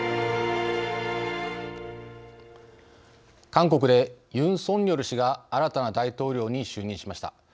韓国でユン・ソンニョル氏が新たな大統領に就任しました。